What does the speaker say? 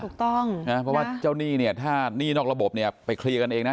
เพราะว่าเจ้านี่เนี่ยถ้านี่นอกระบบเนี่ยไปคลีย์กันเองนะ